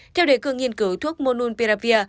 theo đề cường nghiên cứu thuốc monopiravir